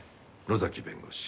野崎弁護士。